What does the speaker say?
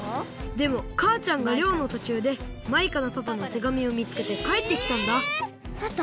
でもかあちゃんがりょうのとちゅうでマイカのパパの手紙をみつけてかえってきたんだパパ！？